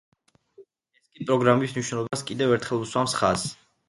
ეს კი პროგრამის მნიშვნელობას კიდევ ერთხელ უსვამს ხაზს.